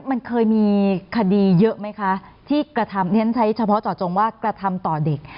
มันเคยมีคดีเยอะไหมคะที่กระทำใช้เฉพาะเจาะจงว่ากระทำต่อเด็ก